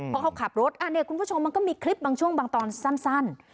พอเขาขับรถอันนี้คุณผู้ชมมันก็มีคลิปบางช่วงบางตอนสั้น